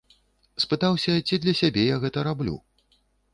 Спытаўся, ці для сябе я гэта раблю.